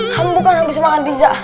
kamu bukan habis makan pizza